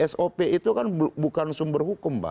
sop itu kan bukan sumber hukum pak